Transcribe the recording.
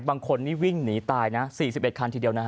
บางคนนี่วิ่งหนีตายนะ๔๑คันทีเดียวนะฮะ